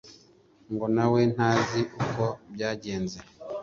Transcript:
ngo nawe ntazi uko byagenze